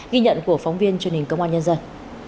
ghi nhận của phóng viên truyền hình công an nhân dân